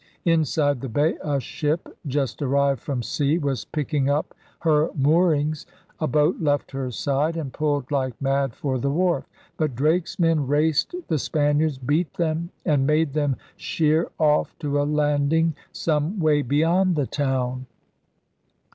Inside the bay a ship just arrived from sea was picking up her moorings. A boat left her side and pulled like mad for the wharf. But Drake's men raced the Spaniards, beat them, and made them sheer off to a landing some way beyond the town.